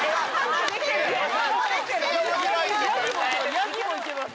ヤギもいけます